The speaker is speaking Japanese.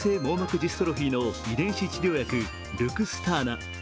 ジストロフィーの遺伝子治療薬、ルクスターナ。